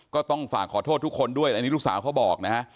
ก็ต้องฝากขอโทษทุกคนด้วยอันนี้ลูกสาวเขาบอกนะฮะ